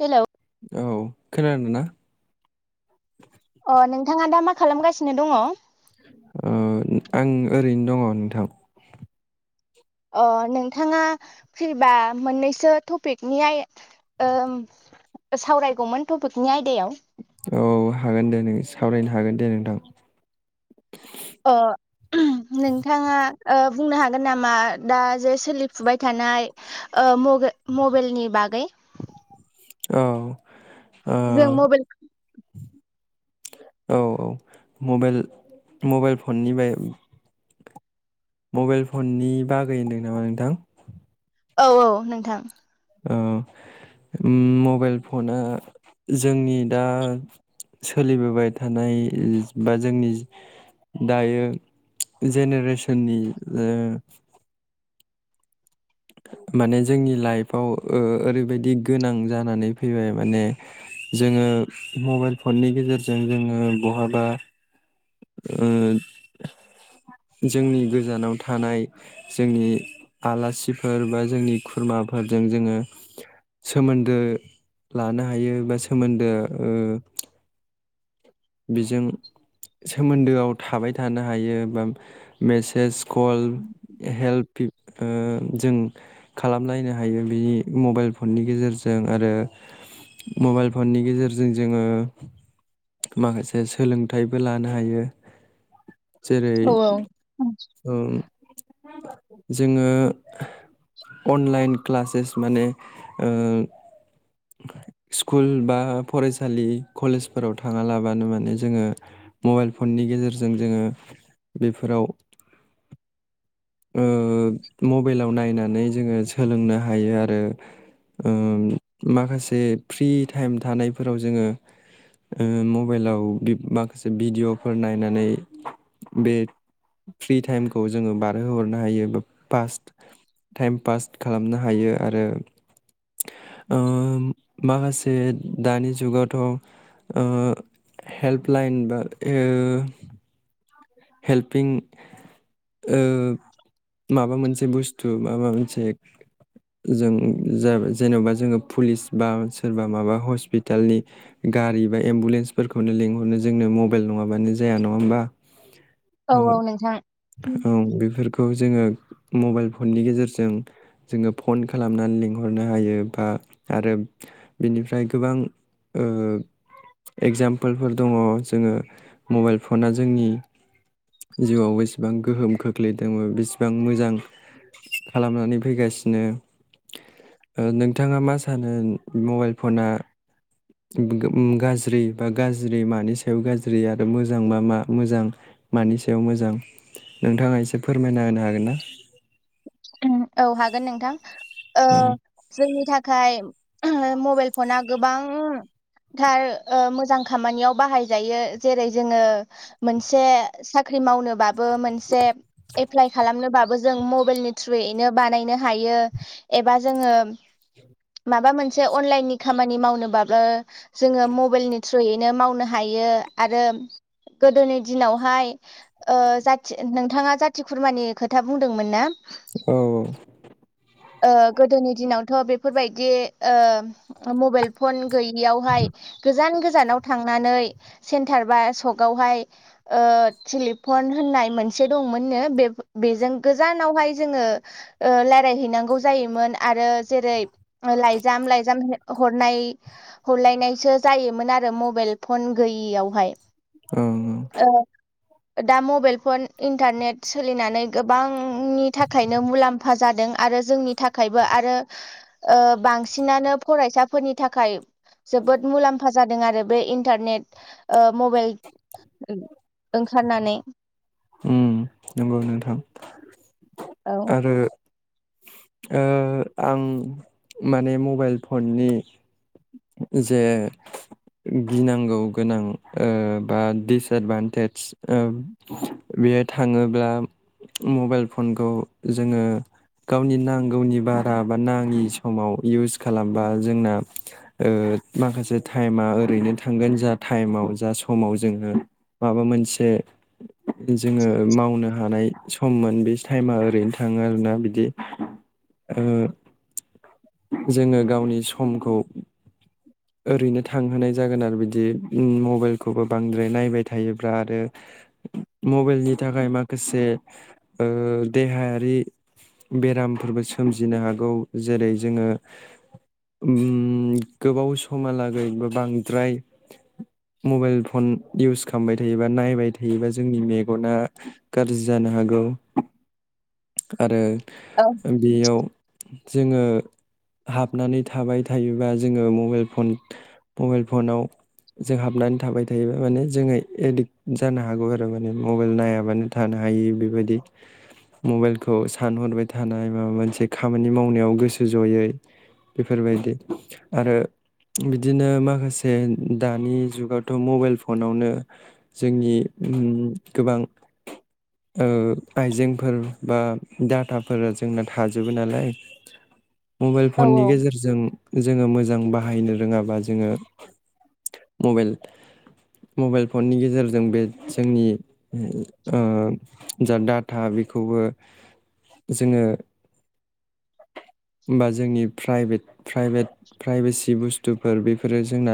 Hello औ खोनदों ना? [inaudible] अ नोंथाङा दा मा खालामगासिनो दङ? ओ आं ओरैनो दङ नोंथां। अ नोंथाङा फिरबा मोननैसो टपिकनि आय सावरायगौमोन टपिकनि आयदायाव औ हागोन दे नों सावरायनो हागोन दे नोंथां अ नोंथाङा ओ बुंनो हागोन नामा दा जे सोलिफुबाय थानाय ओ मबाइल-मबाइलनि बागै? औ ओ जों मबाइल औ औ मबाइल मबाइल फननिबाय मबाइल फननि बागै होनदों नामा नोंथां? औ औ नोंथां ओ मबाइल फना जोंनि दा सोलिबोबाय थानाय बा जोंनि दायो जेनेरेसननि ओ माने जोंनि लाइफआव ओ ओरैबायदि गोनां जानानै फैबाय माने जोङो मबाइल फननि गेजेरजों जोङो बहाबा ओ जोंनि गोजानाव थानाय जोंनि आलासिफोर फोर बा जोंनि खुरमाफोरजों जोङो सोमोन्दो लानो हायो बा सोमोन्दो बेजों सोमोन्दोआव थाबाय थानो हायो बा मेसेज कल हेल्प जों खालामलायनो हायो बेनि मबाइल फननि गेजेरजों आरो मबाइल फननि गेजेरजों जोङो माखासे सोलोंथाइबो लानो हायो। जेरै औ जोङो अनलाइन क्लासेस माने स्कुल बा फरायसालि कलेजफोराव थाङा लाबानो माने जोङो मबाइल फननि गेजेरजों जोङो बेफोराव मबाइलाव नायनानै जोङो सोलोंनो हायो आरो माखासे फ्रि टाइम थानायफोराव जोङो मबाइलाव माखासे भिडिअफोर नायनानै बे फ्रि टाइमखौ जोङो बार हरनो हायो बास टाइम पास खालामनो हायो आरो माखासे दानि जुगावथ' हेल्पलाइन बा हेल्पिं माबा मोनसे बुस्थु माबा मोनसे जों जेनबा जोङो पुलिस बा सोरबा माबा हस्पिटालनि गारि बा एम्बुलेन्सफोरखौनो लिंहरनो जोंनो मबाइल नङाबानो जाया नङा होमबा? औ औ नोंथां। खौ जोङो मबाइल फननि गेजेरजों जोङो फन खालामनानै लिंहरनो हायो बा आरो बेनिफ्राय गोबां एगजामपोलफोर दङ जोङो मबाइल फना जोंनि जिउआव बेसेबां गोहोम खोख्लैदों बेसेबां मोजां खालामनानै फैगासिनो नोंथाङा मा सानो मबाइल फना गाज्रि बा गाज्रि मानि सायाव गाज्रि आरो मोजांबा मा मोजां मानि सायाव मोजां नोंथाङा एसे फोरमायना होनो हागोन ना? औ हागोन नोंथां। ओ जोंनि थाखाय मबाइल फना गोबांथार मोजां खामानियाव बाहाय जायो जेरै जोङो मोनसे साख्रि मावनोबा बो मोनसे एप्लाइ खालामनो बाबो जों मबाइलनि थ्रुयैनो बानायनो हायो एबा जोङो माबा मोनसे अनलाइननि खामानि मावनोबाबो जोङो मबाइलनि थ्रुयैनो मावनो हायो आरो गोदोनि दिनावहाय जाथि नोंथाङा जाथि खुरमानि खोथा बुंदोंमोन ना? औ औ गोदोनि दिनावथ' बेफोरबायदि मबाइल फन गैयैयावहाय गोजान गोजान जानाव थांनानै सेन्टार बा सगावहाय टेलिफन होननाय मोनसे दंमोननो बेजों गोजानावहाय जोङो रायलायहैनांगौ जायोमोन आरो जेरै लाइजाम लाइजाम हरनाय हरलायनायसो जायोमोन आरो मबाइल फन गैयियावहाय। औ ओ दा मबाइल फन इन्टारनेट सोलिनानै गोबांनि थाख खायनो मुलाम्फा जादों आरो जोंनि थाखायबो आरो बांसिनानो फरायसाफोरनि थाखाय जोबोद मुलाम्फा जादों आरो बे इन्टारनेट मबाइल ओंखारनानै उम नंगौ नोंथां। औ आरो आं माने मबाइल फननि जे गिनांगौ गोनां बा दिसएदभान्टेज बेयो थाङोब्ला मबाइल फनखौ जोङो गावनि नांगौनि बारा बा नाङि समाव इउस खालामबा जोंना माखासे टाइमा ओरैनो थांगोन जा टाइमाव जा समाव जोङो माबा मोनसे जोङो मावनो हानाय सममोन बे टाइमा ओरैनो थाङो आरोना बिदि जोङो गावनि समखौ ओरैनो थांहोनाय जागोन आरो बिदि मबाइलखौबो बांद्राय नायबाय थायोब्ला आरो मबाइलनि थाखाय माखासे देहायारि बेरामफोरबो सोमजिनो हागौ जेरै जोङो गोबाव स समहालागै बा बांद्राय मबाइल फन इउस खालामबाय थायोबा नायबाय थायोबा जोंनि मेगना गाज्रि जानो हागौ आरो औ बेयाव जोङो हाबनानै थाबाय थायोबा जोङो मबाइल फन मबाइल फनाव जों हाबनानै थाबाय थायोबा माने जोङो एडिक्ट जानो हागौ आरो माने मबाइल नायाबानो थानो हायि बेबायदि मबाइलखौ सानहरबाय थानाय माबा मोनसे खामानि मावनायाव गोसो ज'यै बेफोरबायदि आरो बिदिनो माखासे दानि जुगावथ' मबाइल फनावनो जोंनि गोबां आइजेंफोर बा डाटाफोरा जोंना थाजोबो नालाय मबाइल औ फननि गेजेरजों जोङो मो जों बाहायनो रोंङाबा जोंङो मबाइल मबाइल फननि गेजेरजों बे जोंनि ओ जा दाटा बेखौबो जोंङो बा जोंनि प्राइभ्रेट प्राइभ्रेट प्राइबिसि बुस्थु बुस्थुफोर बेफोरो जोंना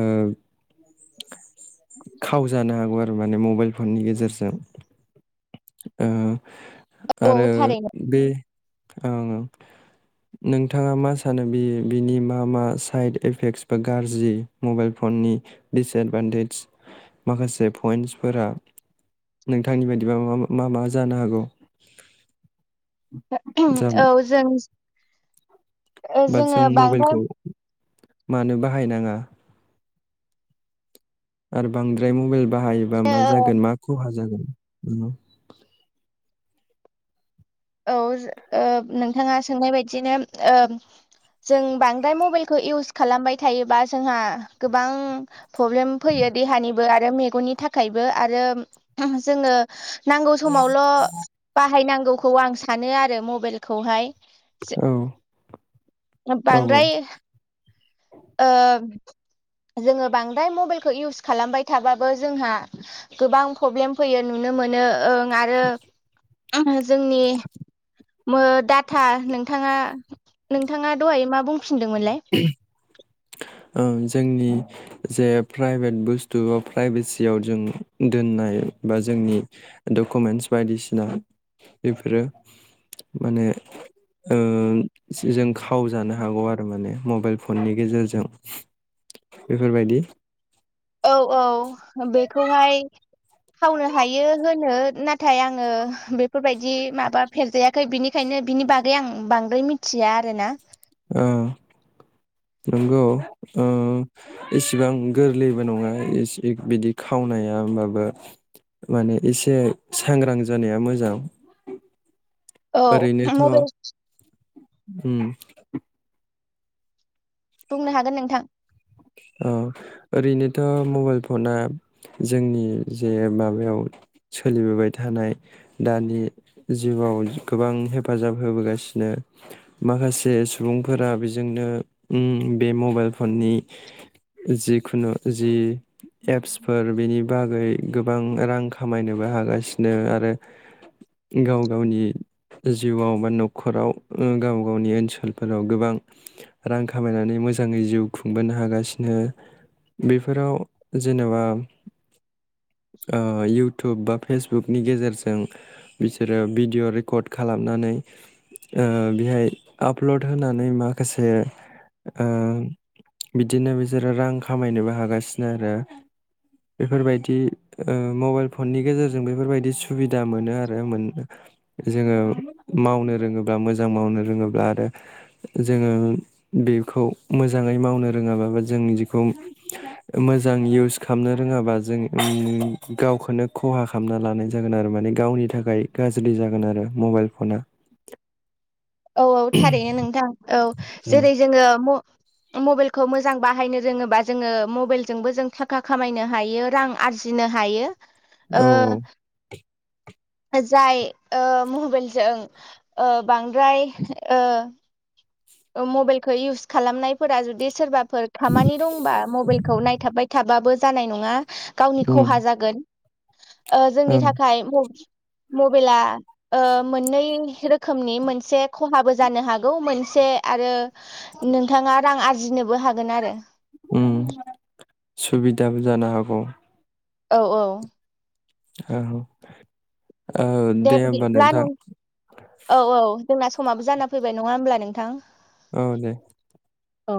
ओ खाव जानो हागौ आरो माने मबाइल फननि गेजेरजों जों ओ आरो औ थारैनो बे ओं ओं नोंथाङा मा सानो बि बिनि बा मा मा साइड इफेक्टस बा गाज्रि मबाइल फननि डिसएडभान्टेज माखासे पइन्टसफोरा नोंथांनि बायदिबा मा मा जानो हागौ? जा औ जों ओ बा जोङो जों बांद्राय मबाइलखौ मानो बाहायनाङा आरो बांद्राय मबाइल बाहायोबा मा औ जागोन मा खहा जागोन उम औ औ नोंथाङा सोंनाय बायदिनो जों बांद्राय मबाइलखौ इउस खालामबाय थायोबा जोंहा गोबां प्रब्लेम फैयो देहानिबो आरो मेगननि थाखायबो आरो जोङो नांगौ समावल' बाहायनांगौ खौ आं सानो आरो मबाइलखौहाय औ औ औ बांद्राय ओ जोङो बांद्राय मबाइलखौ इउस खालामबाय थाबाबो जोंहा गोबां प्रब्लेम फैयो नुनो मोनो ओं आरो जोंनि मो दाटा नोंथाङा नोंथाङा दहाय मा बुं फिनदोंमोनलाय? ओं जोंनि जे प्राइभेट बुस्थु बा प्राइभेसियाव जों दोननाय बा जोंनि डकुमेन्टस बायदिसिना बेफोरो माने ओ जों खाव जानो हागौ आरो माने मबाइल फननि गेजेरजों बेफोरबायदि औ औ बेखौहाय खावनो हायो होनो नाथाय आङो बेफोरबायदि माबा फेरजाया बिनिखायनो बिनि बागै आं बांद्राय मिथिया आरो ना नंगौ ओ इसिबां गोरलैबो नङा बिदि खावनाया होनबाबो माने एसे सांग्रां जानाया मोजां औ ओरैनोथ' मबाइल उम बुंनो हागोन नोंथां औ ओरैनोथ' मबाइल फना जोंनि जे माबायाव सोलिबोबाय थानाय दानि जिउआव गोबां हेफाजाब होबोगासिनो माखासे सुबुंफोरा बेजोंनो बे मबाइल फननि जिखुनु जि एप्सफोर बेनि बागै गोबां रां खामायनोबो हागासिनो आरो गाव गावनि जिउआव बा न'खराव गाव गावनि ओनसोलफोराव गोबां रां खामायनानै मोजाङै जिउ खुं खांबोनो हागासिनो बेफोराव जेनेबा ओ इउटुब बा फेसबुकनि गेजेरजों बिसोरो भिडिअ रेकर्ड खालामनानै ओ बेहाय आपलड होनानै माखासे ओ बिदिनो बिसोरो रां खामायनोबो हागासिनो आरो बेफोरबायदि ओ मबाइल फननि गेजेरजों बेफोरबायदि सुबिदा मोनो आरो मोन जोङो मावनो रोङोब्ला मोजां मावनो रोङोब्ला आरो जोङो बेखौ मोजाङै मावनो रोङाबाबो जों बिखौ मोजां इउस खालामनो रोङाबा जों गावखौनो खहा खालामना लानाय जागोन आरो माने गावनि थाखाय गाज्रि जागोन आरो मबाइल फना औ औ थारैनो नोंथां। औ औ जेरै- जोङो म मबाइलखौ मोजां बाहायनो रोङोबा जोङो मबाइलजोंबो जों थाखा खामायनो हायो रां आरजिनो हायो। ओ औ जाय ओ मबाइलजों ओ बां द्राय ओ ओ मबाइलखौ इउस खालामनायफोरा जुदि सोरबा फोर खामानि दंबा मबाइलखौ नायथाबबाय थाबाबो जानाय नङा। गावनि उम खहा जागोन। ओ जोंनि औ थाखाय मब-मबाइला ओ मोननै रोखोमनि मोनसे खहाबो जानो हागौ मोनसे आरो नोंथाङा रां आरजि जिनोबो हागोन आरो दाबो जानो हागौ औ औ औ औ दे होमबा बिदिब्ला नोंथां नों औ औ जोंना समाबो जाना फैबाय नङा होमब्ला नोंथां। औ दे। औ